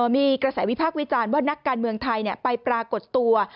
มีกระแสวิพากษ์วิจารณ์ว่านักการเมืองไทยไปปรากฏตัว